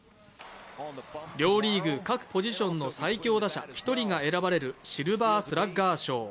両リーグ、各ポジションの最強打者１人が選ばれるシルバースラッガー賞。